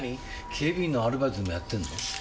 警備員のアルバイトでもやってんの？